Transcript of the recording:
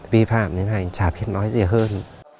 vi phạm như thế này chả biết nói gì hơn